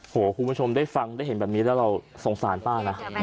คุณผู้ชมได้ฟังได้เห็นแบบนี้แล้วเราสงสารป้านะ